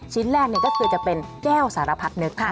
ชิ้นแรกเนี่ยก็คือจะเป็นแก้วสารพัดนึกค่ะ